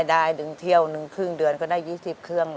ได้หนึ่งเที่ยวหนึ่งครึ่งเดือนก็ได้๒๐เครื่อง